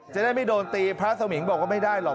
จะได้ไม่โดนตีพระสมิงบอกว่าไม่ได้หรอก